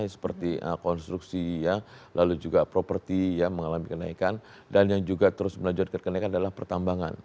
seperti konstruksi lalu juga properti mengalami kenaikan dan yang juga terus melanjutkan kenaikan adalah pertambangan